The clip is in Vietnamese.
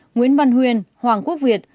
nguyễn văn huyên hoàng quốc việt